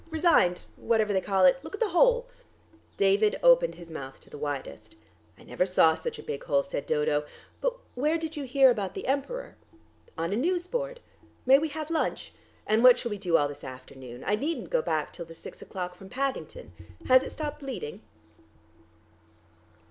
"Resigned, whatever they call it. Look at the hole." David opened his mouth to the widest. "I never saw such a big hole," said Dodo. "But where did you hear about the Emperor?" "On a news board. May we have lunch? And what shall we do all this afternoon? I needn't go back till the six o 'clock from Paddington. Has it stopped bleeding?"